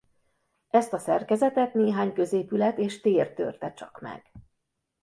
Ezt a szerkezetet néhány középület és tér törte csak meg.